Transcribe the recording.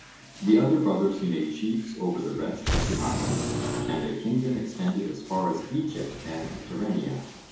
The other brothers he made chiefs over the rest of the island. And their kingdom extended as far as Egypt and Tyrrhenia.